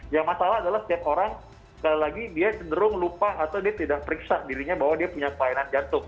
yang masalah adalah setiap orang sekali lagi dia cenderung lupa atau dia tidak periksa dirinya bahwa dia punya kelainan jantung